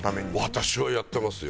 私はやってますよ。